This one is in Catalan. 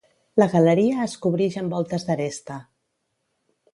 La galeria es cobrix amb voltes d'aresta.